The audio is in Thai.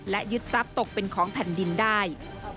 และยึดทรัพย์ตกเป็นของแผ่นดินได้